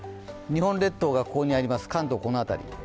日本列島がここにあります、関東はこの辺り。